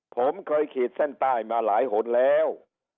ผมเคยขีดเส้นใต้มาหลายหนแล้ว